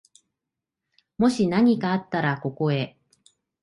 もしなにかあったら、ここへ。